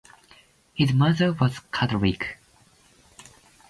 His mother was Catholic.